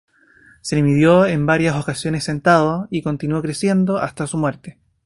Se le midió en varias ocasiones sentado, y continuó creciendo hasta su muerte.